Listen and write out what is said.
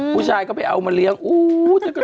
ผู้ชายก็ไปเอามาเลี้ยง